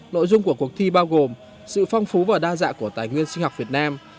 nội dung của cuộc thi bao gồm sự phong phú và đa dạng của tài nguyên sinh học việt nam